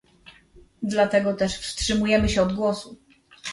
Dlatego też wstrzymujemy się od głosu